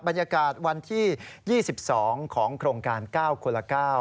บรรยากาศวันที่๒๒ของโครงการ๙คนละ๙